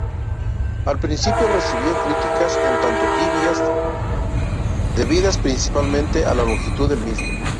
Al principio recibió críticas un tanto tibias, debidas principalmente a la longitud del mismo.